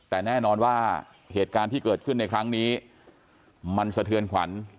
แต่แน่นอนว่าเหตุการณ์ที่เกิดขึ้นในครั้งนี้มันสะเทือนขวัญ